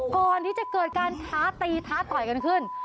ก่อนที่จะเกิดการท้าตีท้าต่อยกันขึ้น